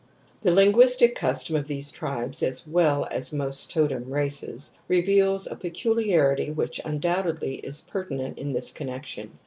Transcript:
The linguistic customs of these tribes, as well as of most totem races, reveals a peculiarity which undoubtedly is pertinent in this connec tion.